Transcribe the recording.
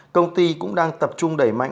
công ty cũng đang tập trung đẩy mạnh